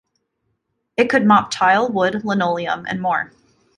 It could mop tile, wood, linoleum, and more.